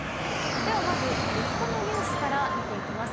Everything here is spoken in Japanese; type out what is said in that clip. ではまず、物価のニュースから見ていきます。